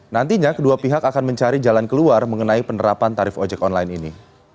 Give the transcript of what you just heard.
nantinya kedua pihak akan mencari jalan keluar mengenai penerapan tarif ojek online ini